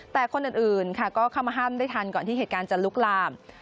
แต่คนอื่นค่ะก็เข้ามาห้ามได้ทันก่อนที่เหตุการณ์จะลุกลาม